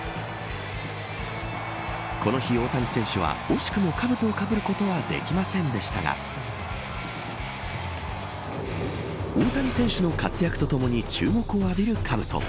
この日、大谷選手は惜しくもかぶとをかぶることはできませんでしたが大谷選手の活躍とともに注目を浴びるかぶと。